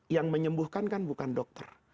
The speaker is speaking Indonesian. yang menyembuhkan kan bukan dokter